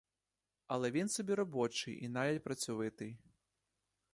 Але він собі робочий і навіть працьовитий.